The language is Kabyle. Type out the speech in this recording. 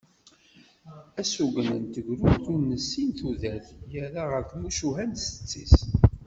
Asugen n tegrudt ur nessin tudert yerra ɣer tmucuha n setti-s.